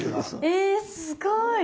えすごい！